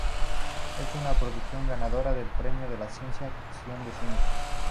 Es una producción ganadora del Premio de la ciencia-ficción de cine.